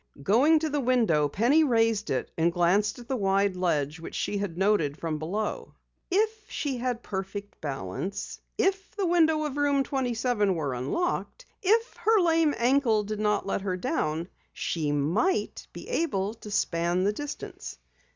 Going to the window, Penny raised it and gazed at the wide ledge which she had noted from below. If she had perfect balance, if the window of Room 27 were unlocked, if her lame ankle did not let her down, she might be able to span the distance!